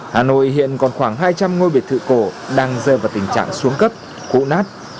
hà nội hiện còn khoảng hai trăm linh ngôi biệt thự cổ đang rơi vào tình trạng xuống cấp cũ nát